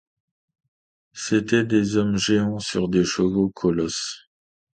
C’étaient des hommes géants sur des chevaux colosses.